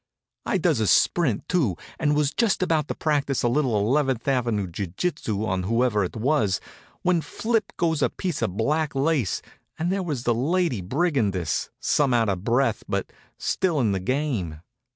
I does a sprint, too, and was just about to practise a little Eleventh Avenue jiu jitsu on whoever it was when flip goes a piece of black lace, and there was the lady brigandess, some out of breath, but still in the game.